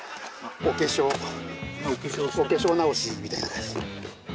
お化粧お化粧直しみたいな感じ